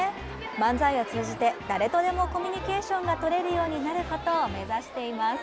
漫才を通じて誰とでもコミュニケーションがとれるようになることを目指しています。